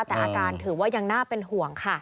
แต่อาการถือว่ายังน่าเป็นห่วงค่ะ